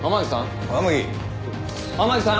天樹さん？